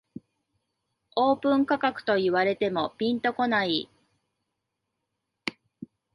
オープン価格と言われてもピンとこない